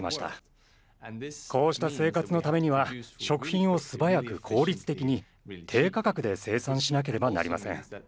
こうした生活のためには食品を素早く効率的に低価格で生産しなければなりません。